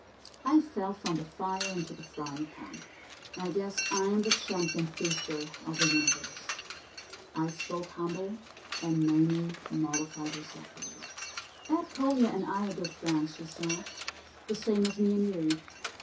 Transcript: I fell from the fire into the frying pan. I guess I'm the Champion Feaster of the Universe.' I spoke humble, and Mame mollified herself a little. "'Ed Collier and I are good friends,' she said, 'the same as me and you.